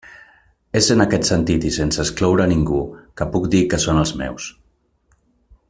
És en aquest sentit, i sense excloure a ningú, que puc dir que són els meus.